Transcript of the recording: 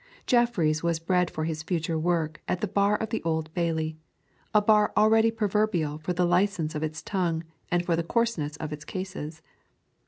Jeffreys was bred for his future work at the bar of the Old Bailey, a bar already proverbial for the licence of its tongue and for the coarseness of its cases.